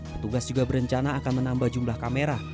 petugas juga berencana akan menambah jumlahnya